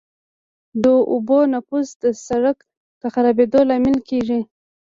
د اوبو نفوذ د سرک د خرابېدو لامل کیږي